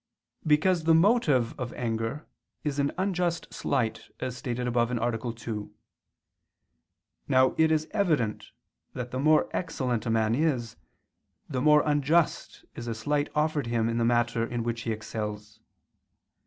Because the motive of anger is an unjust slight, as stated above (A. 2). Now it is evident that the more excellent a man is, the more unjust is a slight offered him in the matter in which he excels.